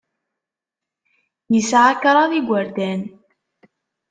Yesɛa kraḍ n yigerdan.